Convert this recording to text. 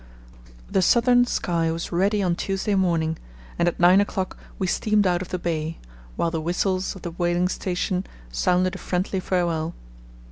The Southern Sky was ready on Tuesday morning, and at nine o'clock we steamed out of the bay, while the whistles of the whaling station sounded a friendly farewell.